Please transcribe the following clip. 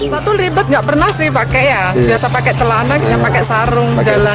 satu ribet gak pernah sih pakai ya biasa pakai celana pakai sarung